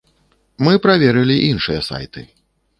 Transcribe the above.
Мы праверылі іншыя сайты.